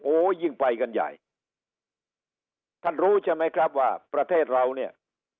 โอ้โหยิ่งไปกันใหญ่ท่านรู้ใช่ไหมครับว่าประเทศเราเนี่ย